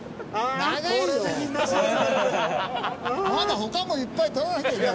まだ他もいっぱい撮らなきゃいけない。